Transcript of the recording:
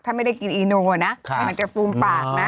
ถ้าไม่ได้กินอีโนอ่ะนะไม่เหมือนจะฟูมปากนะ